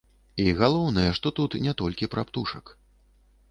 І галоўнае, што тут не толькі пра птушак.